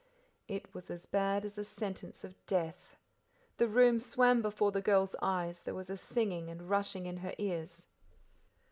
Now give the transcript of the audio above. It was as bad as a sentence of death. The room swam before the girl's eyes, there was a singing and rushing in her ears.